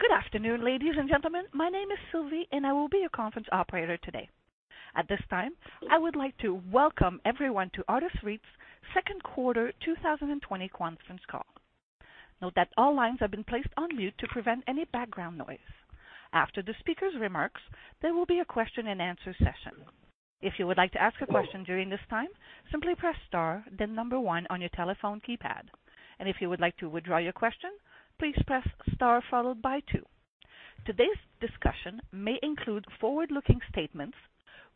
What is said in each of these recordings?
Good afternoon, ladies and gentlemen. My name is Sylvie, and I will be your conference operator today. At this time, I would like to welcome everyone to Artis REIT's second quarter 2020 conference call. Note that all lines have been placed on mute to prevent any background noise. After the speaker's remarks, there will be a question and answer session. If you would like to ask a question during this time, simply press star then number one on your telephone keypad. If you would like to withdraw your question, please press star followed by two. Today's discussion may include forward-looking statements,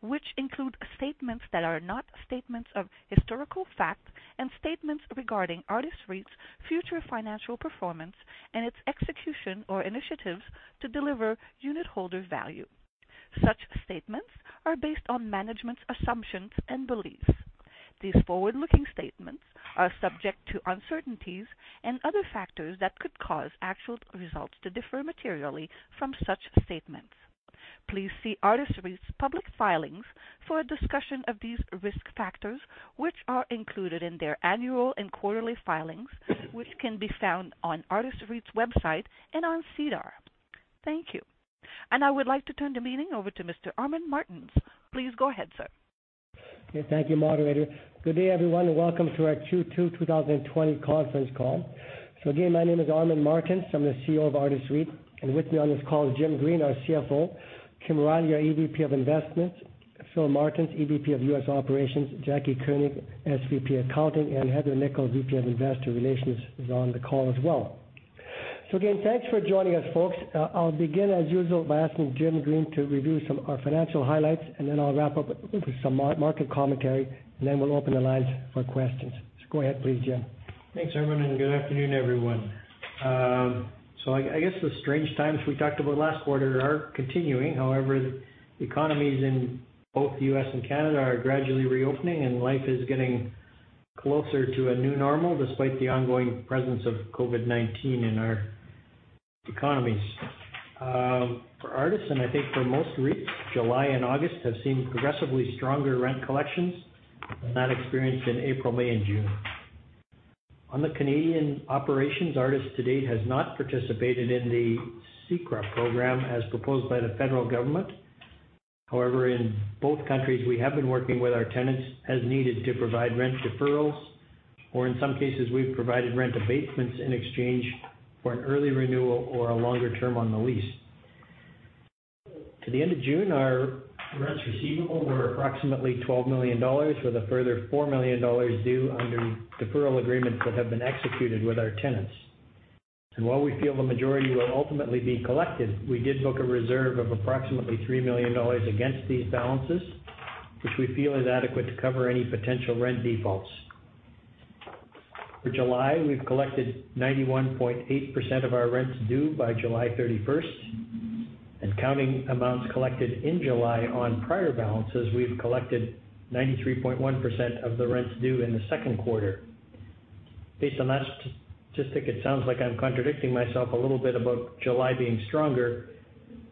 which include statements that are not statements of historical fact and statements regarding Artis REIT's future financial performance and its execution or initiatives to deliver unit holder value. Such statements are based on management's assumptions and beliefs. These forward-looking statements are subject to uncertainties and other factors that could cause actual results to differ materially from such statements. Please see Artis REIT's public filings for a discussion of these risk factors, which are included in their annual and quarterly filings, which can be found on Artis REIT's website and on SEDAR. Thank you. I would like to turn the meeting over to Mr. Armin Martens. Please go ahead, sir. Okay. Thank you, moderator. Good day, everyone, and welcome to our Q2 2020 conference call. Again, my name is Armin Martens. I'm the CEO of Artis REIT. And with me on this call is Jim Green, our CFO, Kim Riley, our EVP of Investments, Philip Martens, EVP of U.S. Operations, Jaclyn Koenig, SVP Accounting, and Heather Nikkel, VP of Investor Relations is on the call as well. Again, thanks for joining us, folks. I'll begin, as usual, by asking Jim Green to review some of our financial highlights, and then I'll wrap up with some market commentary, and then we'll open the lines for questions. Go ahead, please, Jim. Thanks, Armin, good afternoon, everyone. I guess the strange times we talked about last quarter are continuing. However, the economies in both the U.S. and Canada are gradually reopening, and life is getting closer to a new normal despite the ongoing presence of COVID-19 in our economies. For Artis, and I think for most REITs, July and August have seen progressively stronger rent collections than that experienced in April, May, and June. On the Canadian operations, Artis to date has not participated in the CECRA program as proposed by the federal government. However, in both countries, we have been working with our tenants as needed to provide rent deferrals, or in some cases, we've provided rent abatements in exchange for an early renewal or a longer term on the lease. To the end of June, our rents receivable were approximately 12 million dollars, with a further 4 million dollars due under deferral agreements that have been executed with our tenants. While we feel the majority will ultimately be collected, we did book a reserve of approximately 3 million dollars against these balances, which we feel is adequate to cover any potential rent defaults. For July, we've collected 91.8% of our rents due by July 31st, counting amounts collected in July on prior balances, we've collected 93.1% of the rents due in the second quarter. Based on that statistic, it sounds like I'm contradicting myself a little bit about July being stronger,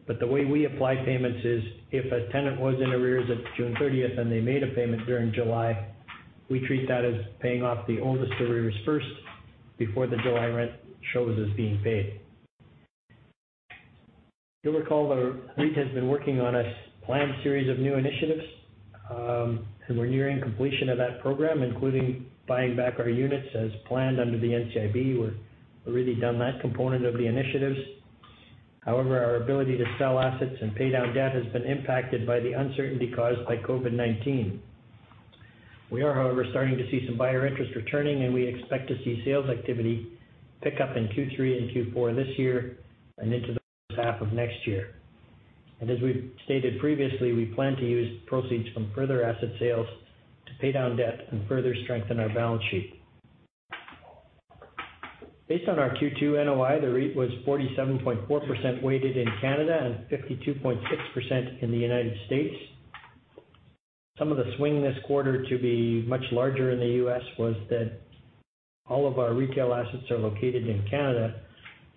but the way we apply payments is if a tenant was in arrears at June 30th and they made a payment during July, we treat that as paying off the oldest arrears first before the July rent shows as being paid. You'll recall the REIT has been working on a planned series of new initiatives, and we're nearing completion of that program, including buying back our units as planned under the NCIB. We're really done that component of the initiatives. However, our ability to sell assets and pay down debt has been impacted by the uncertainty caused by COVID-19. We are, however, starting to see some buyer interest returning, and we expect to see sales activity pick up in Q3 and Q4 this year and into the first half of next year. As we've stated previously, we plan to use proceeds from further asset sales to pay down debt and further strengthen our balance sheet. Based on our Q2 NOI, the REIT was 47.4% weighted in Canada and 52.6% in the United States. Some of the swing this quarter to be much larger in the U.S. was that all of our retail assets are located in Canada,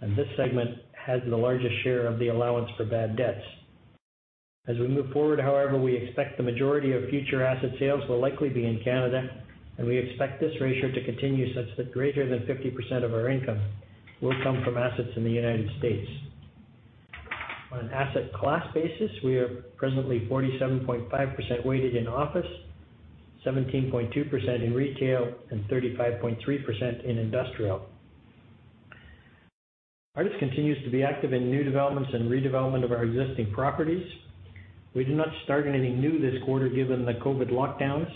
and this segment has the largest share of the allowance for bad debts. As we move forward, however, we expect the majority of future asset sales will likely be in Canada, and we expect this ratio to continue such that greater than 50% of our income will come from assets in the United States. On an asset-class basis, we are presently 47.5% weighted in office, 17.2% in retail, and 35.3% in industrial. Artis continues to be active in new developments and redevelopment of our existing properties. We did not start anything new this quarter given the COVID lockdowns,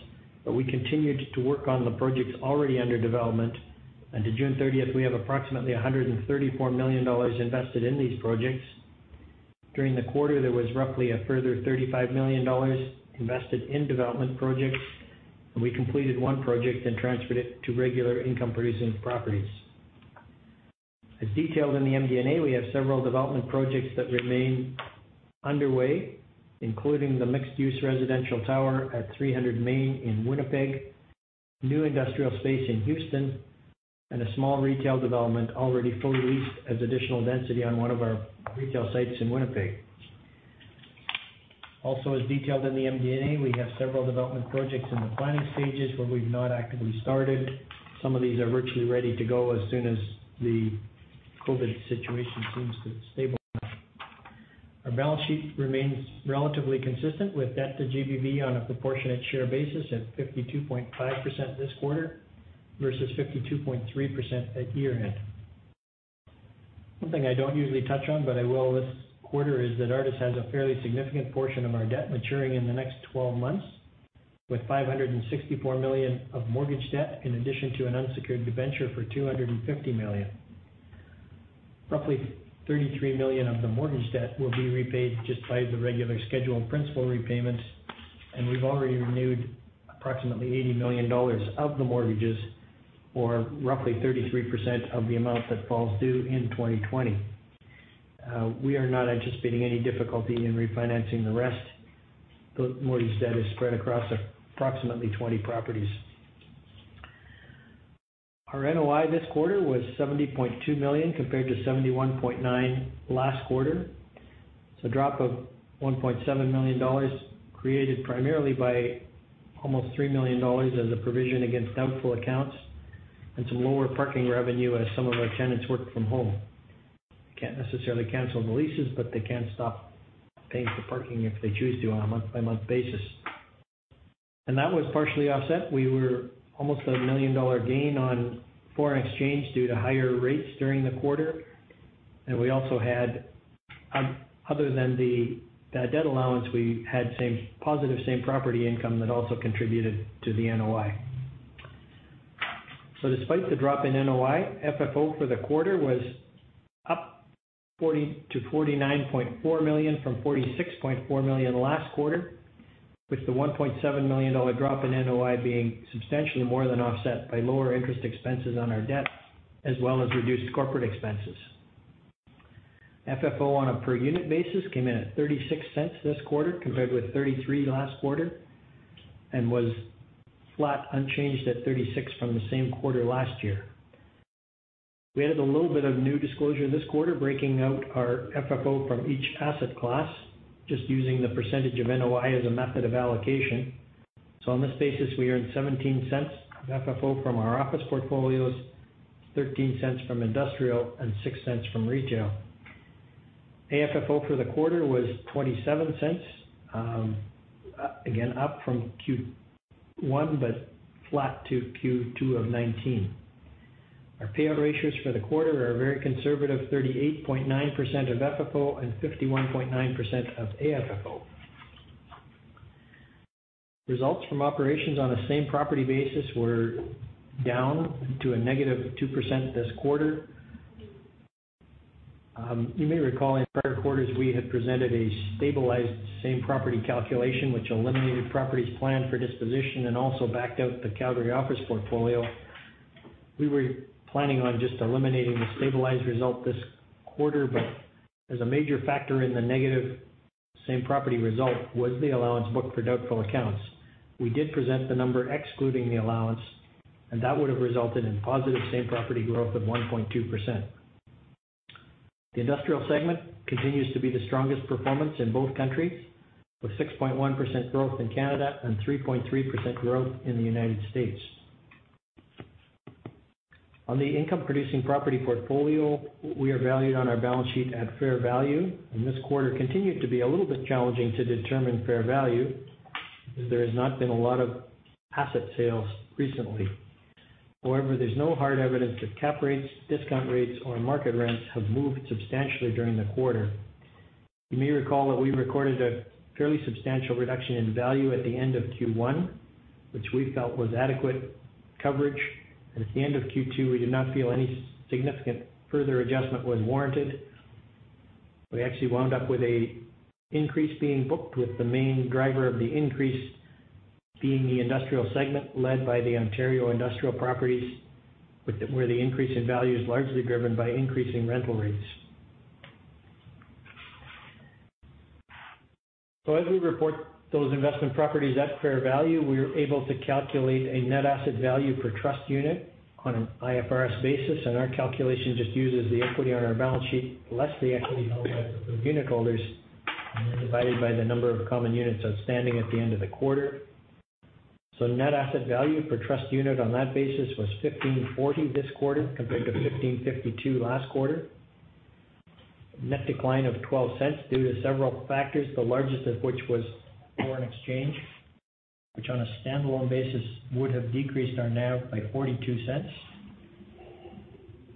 we continued to work on the projects already under development. To June 30th, we have approximately 134 million dollars invested in these projects. During the quarter, there was roughly a further 35 million dollars invested in development projects, we completed one project and transferred it to regular income-producing properties. As detailed in the MD&A, we have several development projects that remain underway, including the mixed-use residential tower at 300 Main in Winnipeg, new industrial space in Houston, a small retail development already fully leased as additional density on one of our retail sites in Winnipeg. Also as detailed in the MD&A, we have several development projects in the planning stages where we've not actively started. Some of these are virtually ready to go as soon as the COVID-19 situation seems to have stabilized. Our balance sheet remains relatively consistent with debt-to-GBV on a proportionate share basis at 52.5% this quarter versus 52.3% at year-end. One thing I don't usually touch on, but I will this quarter, is that Artis has a fairly significant portion of our debt maturing in the next 12 months, with 564 million of mortgage debt in addition to an unsecured debenture for 250 million. Roughly 33 million of the mortgage debt will be repaid just by the regular scheduled principal repayments, and we've already renewed approximately 80 million dollars of the mortgages, or roughly 33% of the amount that falls due in 2020. We are not anticipating any difficulty in refinancing the rest. The mortgage debt is spread across approximately 20 properties. Our NOI this quarter was 70.2 million, compared to 71.9 million last quarter. It's a drop of 1.7 million dollars created primarily by almost 3 million dollars as a provision against doubtful accounts and some lower parking revenue as some of our tenants work from home. They can't necessarily cancel the leases, but they can stop paying for parking if they choose to on a month-by-month basis. That was partially offset. We were almost a 1 million dollar gain on foreign exchange due to higher rates during the quarter. Other than the bad debt allowance, we had positive same-property income that also contributed to the NOI. Despite the drop in NOI, FFO for the quarter was up to 49.4 million from 46.4 million last quarter, with the 1.7 million dollar drop in NOI being substantially more than offset by lower interest expenses on our debt as well as reduced corporate expenses. FFO on a per unit basis came in at 0.36 this quarter compared with 0.33 last quarter and was flat unchanged at 0.36 from the same quarter last year. We had a little bit of new disclosure this quarter breaking out our FFO from each asset class, just using the percentage of NOI as a method of allocation. On this basis, we earned 0.17 of FFO from our office portfolios, 0.13 from industrial, and 0.06 from retail. AFFO for the quarter was 0.27. Again, up from Q1 but flat to Q2 of 2019. Our payout ratios for the quarter are a very conservative 38.9% of FFO and 51.9% of AFFO. Results from operations on a same-property basis were down to a -2% this quarter. You may recall in prior quarters we had presented a stabilized same-property calculation which eliminated properties planned for disposition and also backed out the Calgary office portfolio. We were planning on just eliminating the stabilized result this quarter, but as a major factor in the negative same-property result was the allowance booked for doubtful accounts. We did present the number excluding the allowance, and that would have resulted in positive same-property growth of 1.2%. The industrial segment continues to be the strongest performance in both countries, with 6.1% growth in Canada and 3.3% growth in the United States. On the income-producing property portfolio, we are valued on our balance sheet at fair value, and this quarter continued to be a little bit challenging to determine fair value because there has not been a lot of asset sales recently. However, there's no hard evidence that cap rates, discount rates, or market rents have moved substantially during the quarter. You may recall that we recorded a fairly substantial reduction in value at the end of Q1, which we felt was adequate coverage, and at the end of Q2, we did not feel any significant further adjustment was warranted. We actually wound up with an increase being booked with the main driver of the increase being the industrial segment led by the Ontario industrial properties, where the increase in value is largely driven by increasing rental rates. As we report those investment properties at fair value, we are able to calculate a net asset value per trust unit on an IFRS basis, and our calculation just uses the equity on our balance sheet less the equity held by the unit holders and then divided by the number of common units outstanding at the end of the quarter. Net asset value per trust unit on that basis was 15.40 this quarter compared to 15.52 last quarter. A net decline of 0.12 due to several factors, the largest of which was foreign exchange, which on a standalone basis would have decreased our NAV by 0.42.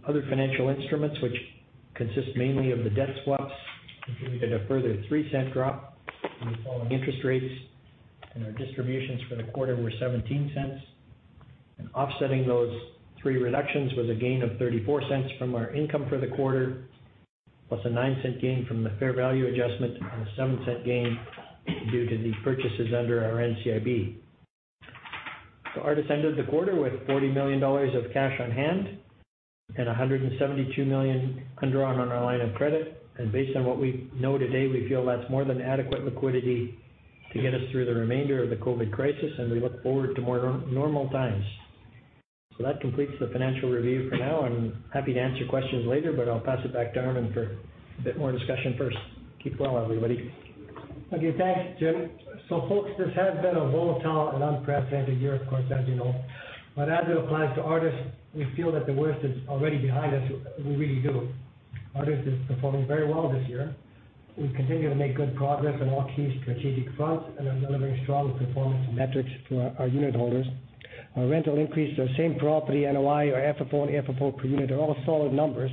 Other financial instruments, which consist mainly of the debt swaps, contributed a further 0.03 drop in the fall in interest rates. Our distributions for the quarter were 0.17. Offsetting those three reductions was a gain of 0.34 from our income for the quarter, plus a 0.09 gain from the fair value adjustment and a 0.07 gain due to the purchases under our NCIB. Artis ended the quarter with 40 million dollars of cash on hand and 172 million undrawn on our line of credit. Based on what we know today, we feel that's more than adequate liquidity to get us through the remainder of the COVID-19 crisis, and we look forward to more normal times. That completes the financial review for now. I'm happy to answer questions later, but I'll pass it back to Armin for a bit more discussion first. Keep well, everybody. Okay. Thanks, Jim. Folks, this has been a volatile and unprecedented year, of course, as you know. As it applies to Artis, we feel that the worst is already behind us. We really do. Artis is performing very well this year. We continue to make good progress on all key strategic fronts and are delivering strong performance metrics for our unit holders. Our rental increase, our same property NOI, our AFFO and AFFO per unit are all solid numbers.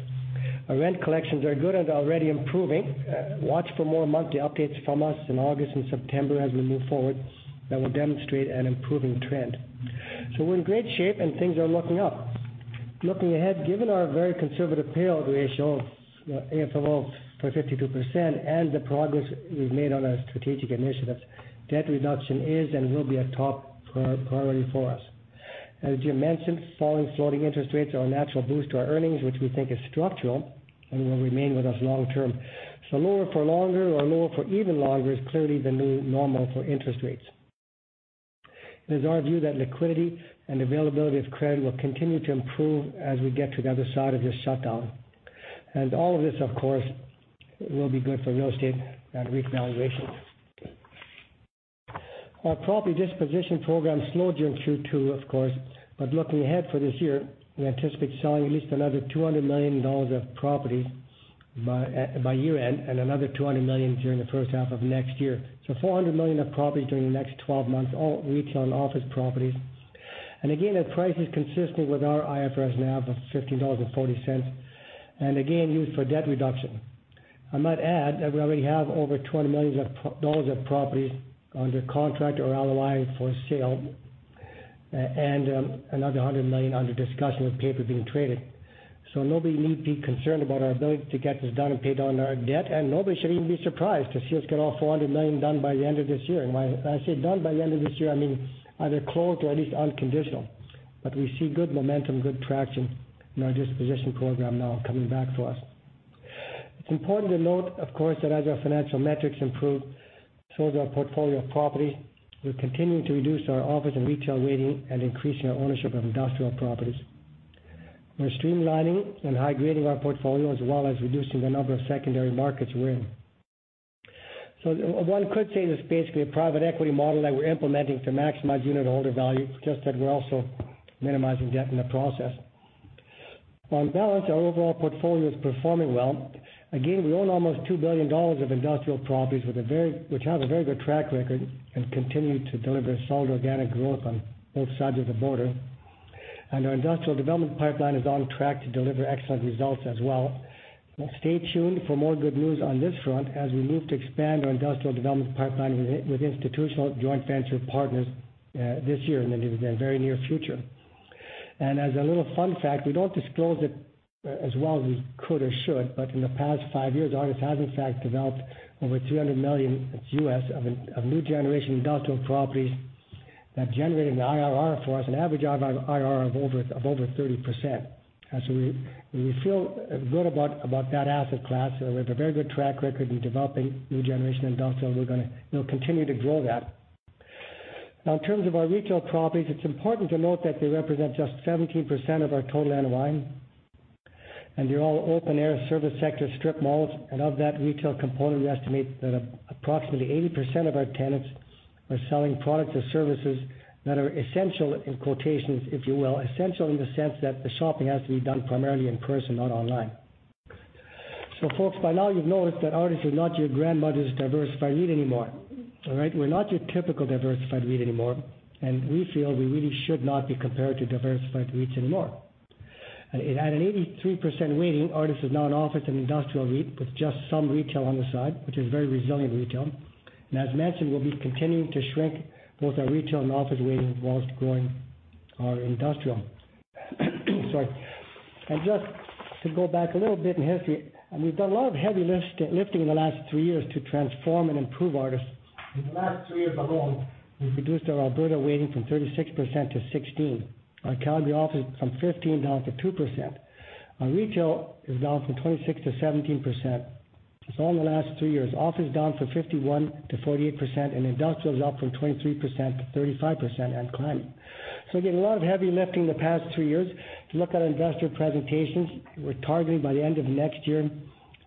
Our rent collections are good and already improving. Watch for more monthly updates from us in August and September as we move forward that will demonstrate an improving trend. We're in great shape and things are looking up. Looking ahead, given our very conservative payout ratio of AFFO for 52% and the progress we've made on our strategic initiatives, debt reduction is and will be a top priority for us. As Jim mentioned, falling floating interest rates are a natural boost to our earnings, which we think is structural and will remain with us long term. Lower for longer or lower for even longer is clearly the new normal for interest rates. It is our view that liquidity and availability of credit will continue to improve as we get to the other side of this shutdown. All of this, of course, will be good for real estate at REIT valuations. Our property disposition program slowed during Q2, of course. Looking ahead for this year, we anticipate selling at least another 200 million dollars of property by year-end and another 200 million during the first half of next year. 400 million of properties during the next 12 months, all retail and office properties. Again, at prices consistent with our IFRS NAV of 15.40 dollars. Again, used for debt reduction. I might add that we already have over 20 million dollars of properties under contract or LOI for sale and another 100 million under discussion with paper being traded. Nobody need be concerned about our ability to get this done and pay down our debt. Nobody should even be surprised to see us get all 400 million done by the end of this year. When I say done by the end of this year, I mean either closed or at least unconditional. We see good momentum, good traction in our disposition program now coming back for us. It's important to note, of course, that as our financial metrics improve, so does our portfolio of properties. We're continuing to reduce our office and retail weighting and increasing our ownership of industrial properties. We're streamlining and high-grading our portfolio as well as reducing the number of secondary markets we're in. One could say this is basically a private equity model that we're implementing to maximize unit holder value, it's just that we're also minimizing debt in the process. On balance, our overall portfolio is performing well. Again, we own almost 2 billion dollars of industrial properties which have a very good track record and continue to deliver solid organic growth on both sides of the border. Our industrial development pipeline is on track to deliver excellent results as well. Stay tuned for more good news on this front as we move to expand our industrial development pipeline with institutional joint venture partners this year and into the very near future. As a little fun fact, we don't disclose it as well as we could or should, but in the past five years, Artis has in fact developed over $200 million of new generation industrial properties that generated an IRR for us, an average IRR of over 30%. So we feel good about that asset class. We have a very good track record in developing new generation industrial, and we'll continue to grow that. Now, in terms of our retail properties, it's important to note that they represent just 17% of our total NOI, and they're all open-air service sector strip malls. Of that retail component, we estimate that approximately 80% of our tenants are selling products or services that are essential, in quotations if you will, essential in the sense that the shopping has to be done primarily in person, not online. Folks, by now you've noticed that Artis is not your grandmother's diversified REIT anymore. All right? We're not your typical diversified REIT anymore, and we feel we really should not be compared to diversified REITs anymore. At an 83% weighting, Artis is now an office and industrial REIT with just some retail on the side, which is very resilient retail. As mentioned, we'll be continuing to shrink both our retail and office weighting whilst growing our industrial. Sorry. Just to go back a little bit in history, we've done a lot of heavy lifting in the last three years to transform and improve Artis. In the last three years alone, we've reduced our Alberta weighting from 36%-16%. Our Calgary office from 15% down to 2%. Our retail is down from 26%-17%. It's all in the last three years. Office down from 51%-48%, and industrial is up from 23%-35% and climbing. Again, a lot of heavy lifting the past three years. If you look at our investor presentations, we're targeting by the end of next year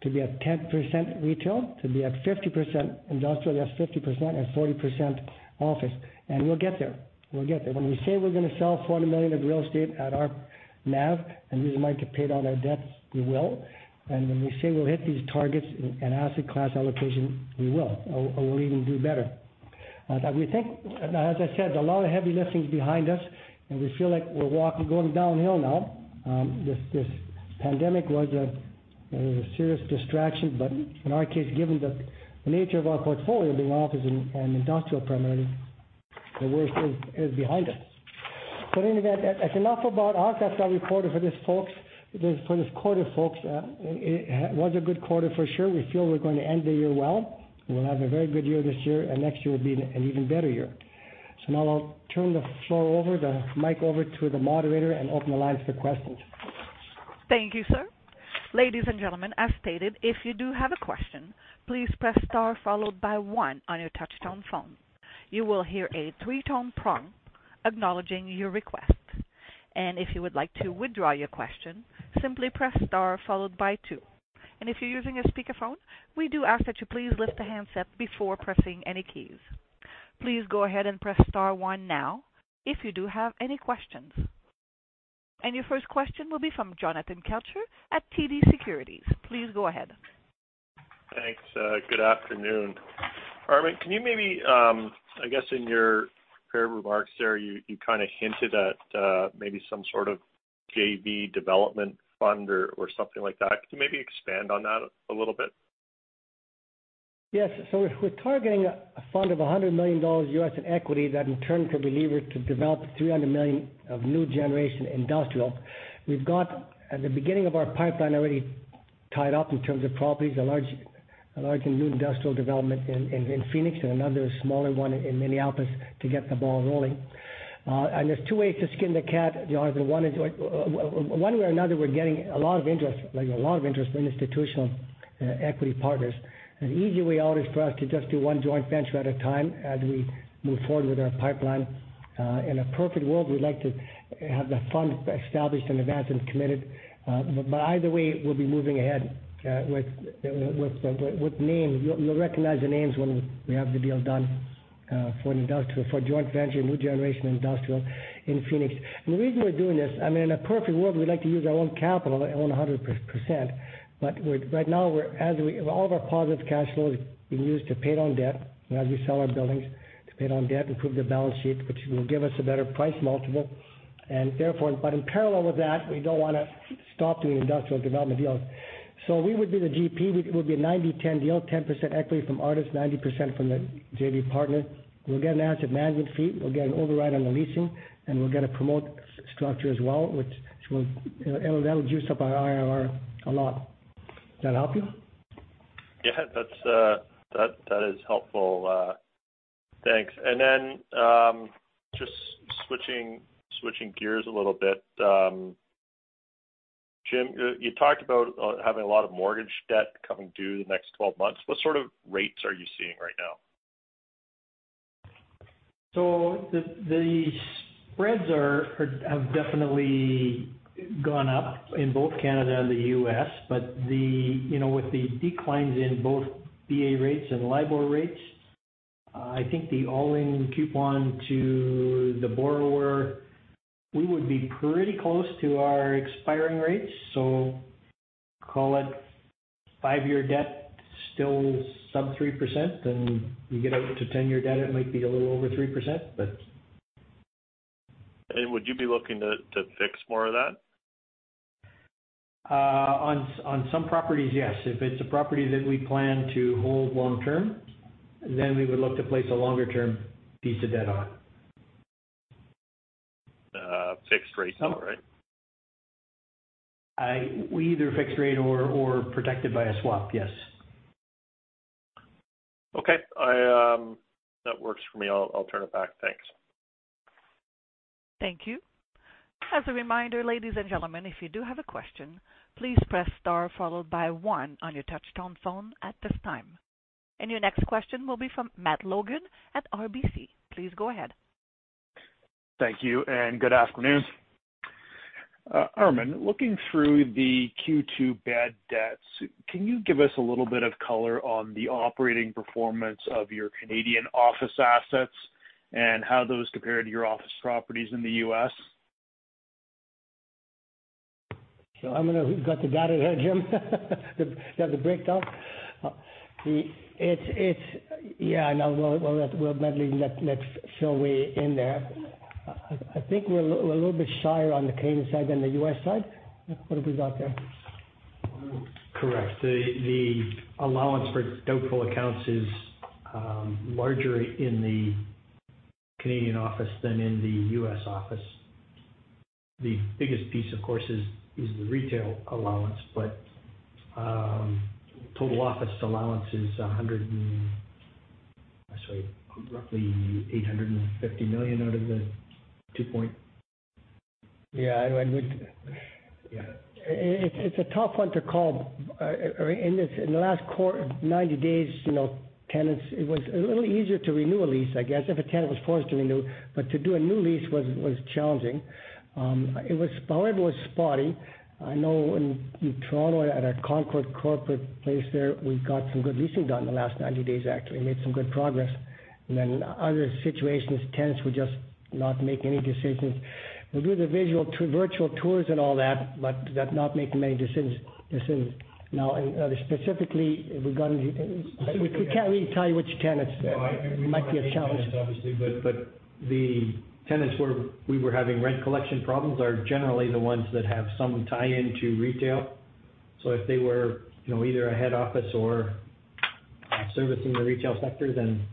to be at 10% retail, to be at 50% industrial, that's 50%, and 40% office. We'll get there. We'll get there. When we say we're going to sell 400 million of real estate at our NAV and use the money to pay down our debts, we will. When we say we'll hit these targets in asset class allocation, we will, or we'll even do better. As I said, a lot of heavy lifting is behind us, and we feel like we're going downhill now. This pandemic was a serious distraction, in our case, given the nature of our portfolio being office and industrial primarily, the worst is behind us. In any event, that's enough about us. That's our report for this quarter, folks. It was a good quarter for sure. We feel we're going to end the year well, we'll have a very good year this year, next year will be an even better year. Now I'll turn the floor over, the mic over to the moderator and open the lines for questions. Thank you, sir. Ladies and gentlemen, as stated, if you do have a question, please press star followed by one on your touch-tone phone. You will hear a three-tone prompt acknowledging your request. If you would like to withdraw your question, simply press star followed by two. If you're using a speakerphone, we do ask that you please lift the handset before pressing any keys. Please go ahead and press star one now if you do have any questions. Your first question will be from Jonathan Kelcher at TD Securities. Please go ahead. Thanks. Good afternoon. Armin, can you maybe, I guess in your prepared remarks there, you kind of hinted at maybe some sort of JV development fund or something like that. Can you maybe expand on that a little bit? Yes. We're targeting a fund of 100 million US dollars in U.S. equity that in turn can be levered to develop 300 million of new generation industrial. We've got at the beginning of our pipeline already tied up in terms of properties, a large and new industrial development in Phoenix and another smaller one in Minneapolis to get the ball rolling. There's two ways to skin the cat, Jonathan. One way or another, we're getting a lot of interest from institutional equity partners. An easy way out is for us to just do one joint venture at a time as we move forward with our pipeline. In a perfect world, we'd like to have the fund established in advance and committed. Either way, we'll be moving ahead with names. You'll recognize the names when we have the deal done for joint venture, new generation industrial in Phoenix. The reason we're doing this, in a perfect world, we'd like to use our own capital, own 100%, but right now, all of our positive cash flow is being used to pay down debt as we sell our buildings, to pay down debt, improve the balance sheet, which will give us a better price multiple. In parallel with that, we don't want to stop doing industrial development deals. We would be the GP. It would be a 90/10 deal, 10% equity from Artis, 90% from the JV partner. We'll get an asset management fee, we'll get an override on the leasing, and we'll get a promote structure as well, which will juice up our IRR a lot. Does that help you? Yeah, that is helpful. Thanks. Then, just switching gears a little bit. Jim, you talked about having a lot of mortgage debt coming due the next 12 months. What sort of rates are you seeing right now? The spreads have definitely gone up in both Canada and the U.S., but with the declines in both BA rates and LIBOR rates, I think the all-in coupon to the borrower, we would be pretty close to our expiring rates. Call it five-year debt, still sub 3%, and you get out to 10-year debt, it might be a little over 3%. Would you be looking to fix more of that? On some properties, yes. If it's a property that we plan to hold long-term, we would look to place a longer-term piece of debt on. Fixed rate still, right? We either fixed rate or protected by a swap, yes. Okay. That works for me. I'll turn it back. Thanks. Thank you. As a reminder, ladies and gentlemen, if you do have a question, please press star followed by one on your touch-tone phone at this time. Your next question will be from Matt Logan at RBC. Please go ahead. Thank you, and good afternoon. Armin, looking through the Q2 bad debts, can you give us a little bit of color on the operating performance of your Canadian office assets and how those compare to your office properties in the U.S.? You got the data there, Jim? You have the breakdown? We'll not leave net showings in there. I think we're a little bit shyer on the Canadian side than the U.S. side. What have we got there? Correct. The allowance for doubtful accounts is larger in the Canadian office than in the U.S. office. The biggest piece, of course, is the retail allowance, but total office allowance is roughly 850,000. Yeah. Yeah. It's a tough one to call. In the last 90 days, tenants, it was a little easier to renew a lease, I guess, if a tenant was forced to renew. To do a new lease was challenging. It was spotty. I know in Toronto at our Concorde Corporate Centre place there, we got some good leasing done in the last 90 days, actually. Made some good progress. Other situations, tenants would just not make any decisions. We do the virtual tours and all that, but they're not making many decisions. Specifically, regarding the tenants, we can't really tell you which tenants there might be a challenge. We can't name tenants, obviously, but the tenants where we were having rent collection problems are generally the ones that have some tie-in to retail. If they were either a head office or servicing the retail sector, then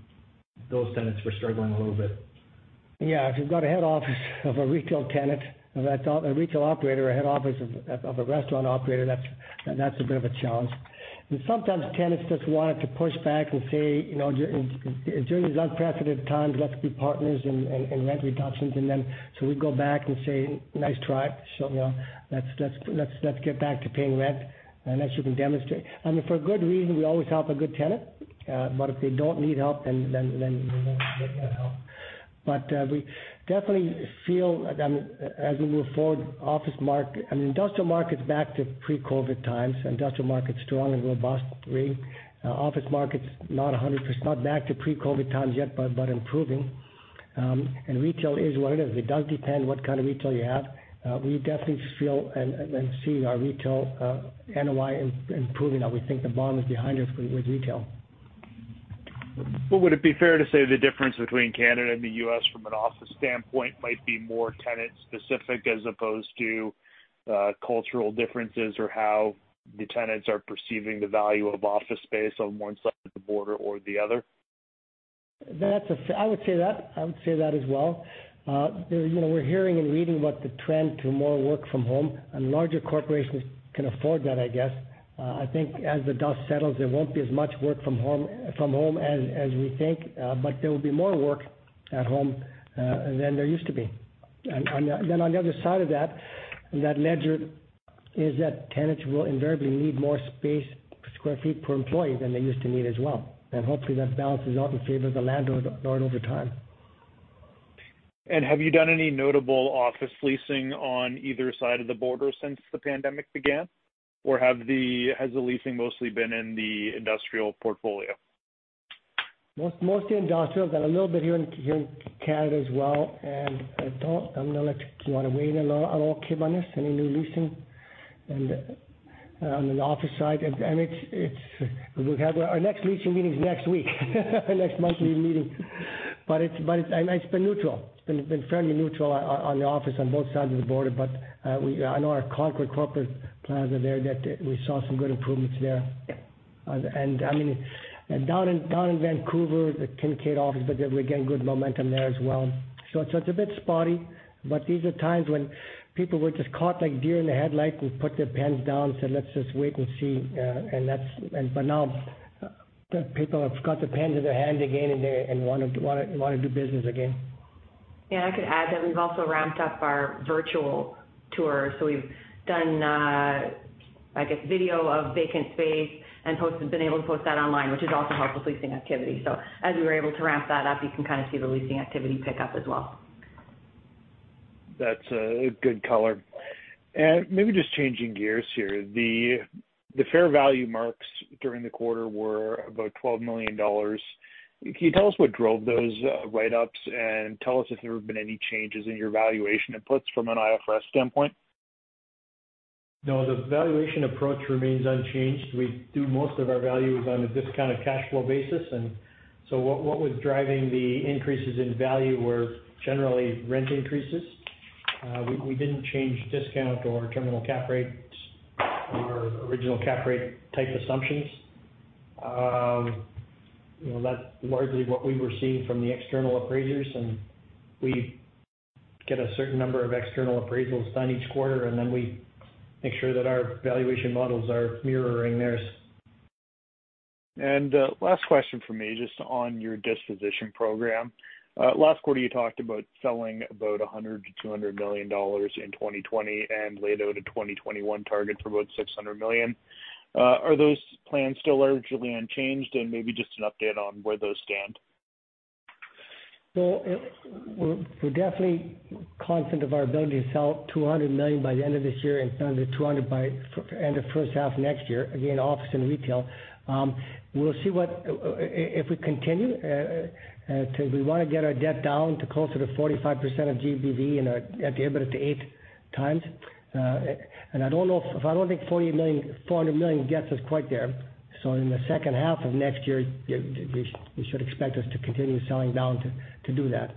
those tenants were struggling a little bit. Yeah. If you've got a head office of a retail tenant, a retail operator, a head office of a restaurant operator, that's a bit of a challenge. Sometimes tenants just wanted to push back and say, during these unprecedented times, let's be partners in rent reductions. We go back and say, nice try. Let's get back to paying rent unless you can demonstrate. For a good reason, we always help a good tenant. If they don't need help, then they won't get that help. We definitely feel, as we move forward, industrial market's back to pre-COVID-19 times. Industrial market's strong and robust. Office market's not 100%, not back to pre-COVID-19 times yet, but improving. Retail is what it is. It does depend what kind of retail you have. We definitely feel and see our retail NOI improving, now we think the bottom is behind us with retail. Would it be fair to say the difference between Canada and the U.S. from an office standpoint might be more tenant-specific as opposed to cultural differences or how the tenants are perceiving the value of office space on one side of the border or the other? I would say that as well. We're hearing and reading about the trend to more work from home. Larger corporations can afford that, I guess. I think as the dust settles, there won't be as much work from home as we think. There will be more work at home than there used to be. On the other side of that ledger is that tenants will invariably need more space, square feet per employee than they used to need as well. Hopefully that balances out in favor of the landlord over time. Have you done any notable office leasing on either side of the border since the pandemic began? Or has the leasing mostly been in the industrial portfolio? Mostly industrial. Done a little bit here in Canada as well. I'm going to let Joanna weigh in a little on all this, any new leasing on the office side. Our next leasing meeting's next week, our next monthly meeting. It's been neutral. It's been fairly neutral on the office on both sides of the border. I know our Concorde Corporate Centre there, that we saw some good improvements there. Down in Vancouver, the Kincaid office, we're getting good momentum there as well. It's a bit spotty, but these are times when people were just caught like deer in the headlight who put their pens down and said, "Let's just wait and see." Now people have got their pens in their hand again and they want to do business again. Yeah, I could add that we've also ramped up our virtual tours. We've done video of vacant space and been able to post that online, which has also helped with leasing activity. As we were able to ramp that up, you can kind of see the leasing activity pick up as well. That's a good color. Maybe just changing gears here, the fair value marks during the quarter were about 12 million dollars. Can you tell us what drove those write-ups and tell us if there have been any changes in your valuation inputs from an IFRS standpoint? No, the valuation approach remains unchanged. We do most of our values on a discounted cash flow basis. What was driving the increases in value were generally rent increases. We didn't change discount or terminal cap rates or original cap rate type assumptions. That's largely what we were seeing from the external appraisers. We get a certain number of external appraisals done each quarter, and then we make sure that our valuation models are mirroring theirs. Last question from me, just on your disposition program. Last quarter you talked about selling about 100 million-200 million dollars in 2020 and laid out a 2021 target for about 600 million. Are those plans still largely unchanged? Maybe just an update on where those stand. Well, we're definitely confident of our ability to sell 200 million by the end of this year and another 200 million by end of first half next year. Again, office and retail. We'll see if we continue because we want to get our debt down to closer to 45% of GBV and our debt-to-EBITDA to 8x. I don't think 400 million gets us quite there. In the second half of next year, you should expect us to continue selling down to do that.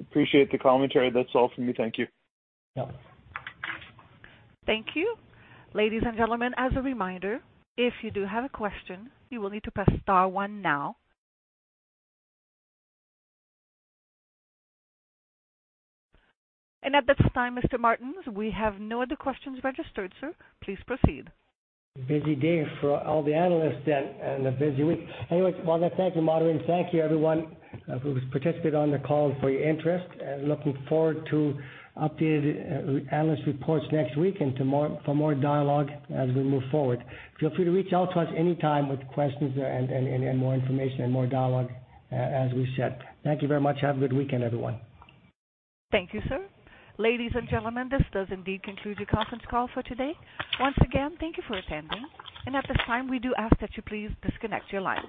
Appreciate the commentary. That's all from me. Thank you. Yeah. Thank you. Ladies and gentlemen, as a reminder, if you do have a question, you will need to press star one now. At this time, Mr. Martens, we have no other questions registered, sir. Please proceed. Busy day for all the analysts then, a busy week. Anyways, Wanda, thank you, moderating. Thank you, everyone who's participated on the call for your interest, looking forward to updated analyst reports next week and for more dialogue as we move forward. Feel free to reach out to us anytime with questions and more information and more dialogue, as we said. Thank you very much. Have a good weekend, everyone. Thank you, sir. Ladies and gentlemen, this does indeed conclude your conference call for today. Once again, thank you for attending. At this time, we do ask that you please disconnect your lines.